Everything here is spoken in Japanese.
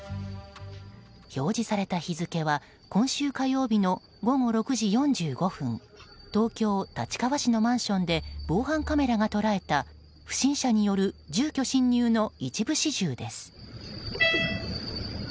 表示された日付は今週火曜日の午後６時４５分東京・立川市のマンションで防犯カメラが捉えた不審者による住居侵入の一部始終です。